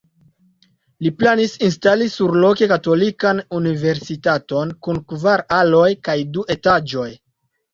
Li planis instali surloke katolikan universitaton kun kvar aloj kaj du etaĝoj.